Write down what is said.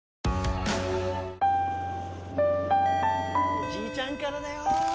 ・おじいちゃんからだよ。